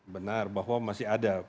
benar bahwa masih ada